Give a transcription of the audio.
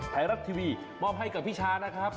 ไทยรัฐทีวีมอบให้กับพี่ชานะครับ